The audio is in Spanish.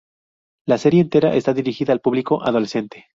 La serie entera está dirigida al público adolescente.